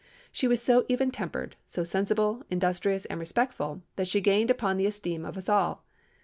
She was so even tempered, so sensible, industrious, and respectful, that she gained upon the esteem of us all.